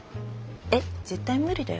えっ？絶対無理だよ。